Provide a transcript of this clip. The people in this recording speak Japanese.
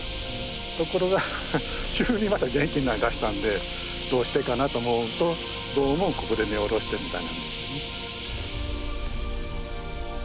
ところが急にまた元気になりだしたんでどうしてかなと思うとどうもここで根を下ろしてるみたいなんですよね。